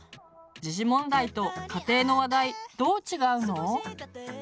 時事問題と家庭の話題どう違うの？